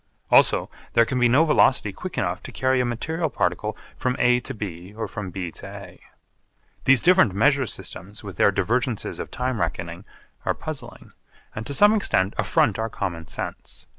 Also there can be no velocity quick enough to carry a material particle from A to B or from B to A. These different measure systems with their divergences of time reckoning are puzzling, and to some extent affront our common sense.